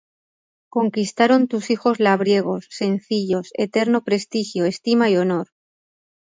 conquistaron tus hijos labriegos, sencillos eterno prestigio, estima y honor